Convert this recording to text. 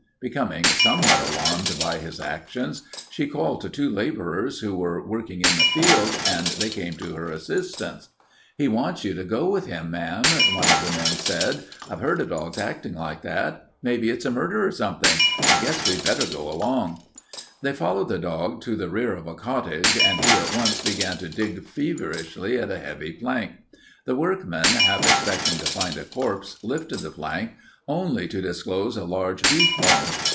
Becoming somewhat alarmed by his actions, she called to two laborers who were working in the field, and they came to her assistance. "'He wants you to go with him, ma'am," one of the men said. 'I've heard of dogs actin' like that. Maybe it's a murder or something. I guess we'd better go along.' "They followed the dog to the rear of a cottage, and he at once began to dig feverishly at a heavy plank. The workmen, half expecting to find a corpse, lifted the plank, only to disclose a large beef bone.